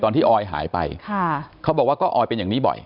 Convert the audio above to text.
ที่ออยหายไปเขาบอกว่าก็ออยเป็นอย่างนี้บ่อย